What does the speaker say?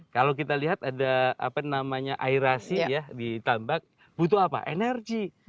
kalau kita lihat ada apa namanya airasi ya di tambak butuh apa energi